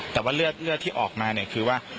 แต่ว่าเลือดที่ออกมาเนี่ยคือว่า